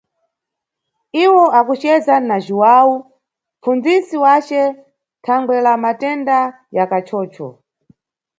Iwo akuceza na Jhuwawu, mʼpfundzisi wace thangwe la matenda ya kachocho.